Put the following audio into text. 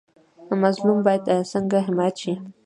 مظلوم باید څنګه حمایت شي؟